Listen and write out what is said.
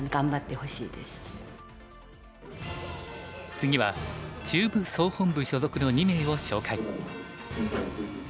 次は中部総本部所属の２名を紹介。